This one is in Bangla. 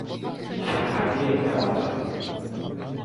সে খাঁটি একটা বাচাল।